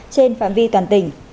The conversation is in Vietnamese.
trên phạm vi toàn tỉnh